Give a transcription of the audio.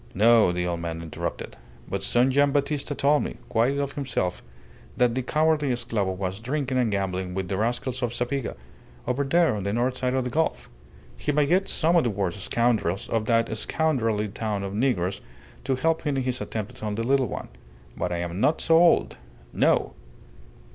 "No," the old man interrupted. "But son Gian' Battista told me quite of himself that the cowardly esclavo was drinking and gambling with the rascals of Zapiga, over there on the north side of the gulf. He may get some of the worst scoundrels of that scoundrelly town of negroes to help him in his attempt upon the little one. ... But I am not so old. No!"